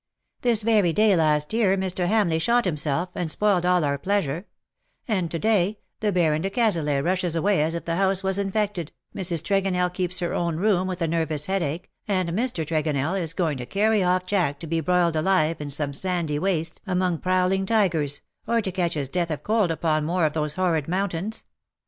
'^ This very day last year Mr. Hamleigh shot himself, and spoiled all our pleasure; and to day, the Baron de Cazalet rushes away as if the house was infected, Mrs. Tregonell keeps her own room with a nervous headache, and Mr. Tregonell is goicg to carry off Jack to be broiled alive in some sandy waste among prowling tigers, or to catch his death of cold upon more of those horrid mountains.